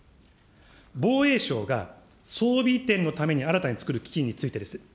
防衛省が装備移転のために新たにつくる基金についてです。